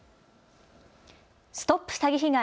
ＳＴＯＰ詐欺被害！